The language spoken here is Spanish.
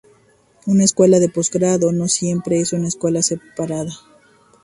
Una escuela de postgrado no siempre es una escuela separada.